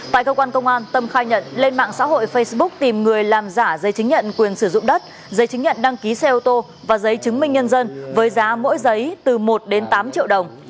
tại cơ quan công an tâm khai nhận lên mạng xã hội facebook tìm người làm giả giấy chứng nhận quyền sử dụng đất giấy chứng nhận đăng ký xe ô tô và giấy chứng minh nhân dân với giá mỗi giấy từ một đến tám triệu đồng